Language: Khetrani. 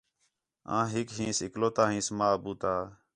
آں ہِک ہینس اکلوتہ ہینس ماں، ابو تا